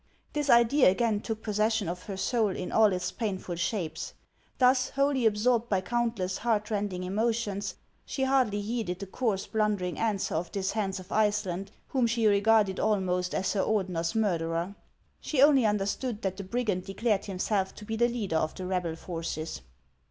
This idea again took possession of her soul in all its painful shapes. Thus, wholly absorbed by countless heart rending emotions, she hardly heeded the coarse, blundering answer of this Hans of Iceland, \vhom she regarded almost as her Ordener's murderer. She only understood that the brigand declared himself to be the leader of the rebel forces.